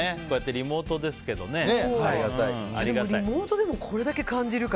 こうやってリモートですけどね。